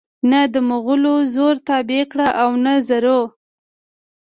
نه دمغلو زور تابع کړ او نه زرو